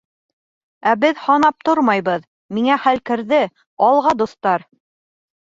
— Ә беҙ һанап тормайбыҙ, миңә хәл керҙе, алға дуҫтар!